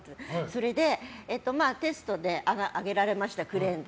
それで、テストで上げられましたクレーンで。